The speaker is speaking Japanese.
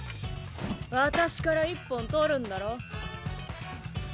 私から一本取るんだろ？